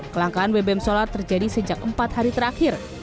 kelangkaan bbm solar terjadi sejak empat hari terakhir